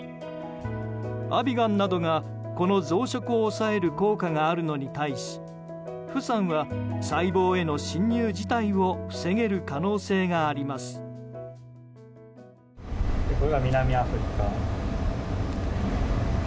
アビガンなどがこの増殖を抑える効果があるのに対しフサンは細胞への侵入自体を防げる可能性があります。